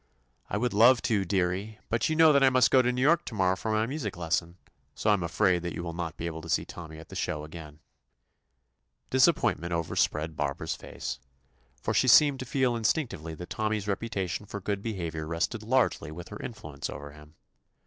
"I would love to, dearie, but you know that I must go to New York to morrow for my music lesson. So I am afraid that you will not be able to see Tommy at the show again." 135 THE ADVENTURES OF Disappointment overspread Bar bara's face, for she seemed to feel in stinctively that Tommy's reputation for good behavior rested largely with her influence over him.